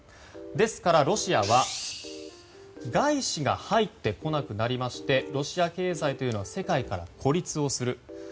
ですから、ロシアは外資が入ってこなくなりましてロシア経済というのは世界から孤立をする。